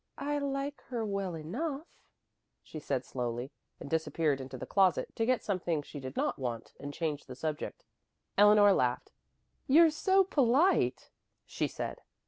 "I like her well enough," she said slowly, and disappeared into the closet to get something she did not want and change the subject. Eleanor laughed. "You're so polite," she said.